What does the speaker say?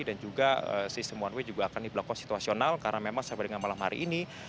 dan juga sistem one way juga akan diberlakukan situasional karena memang sampai dengan malam hari ini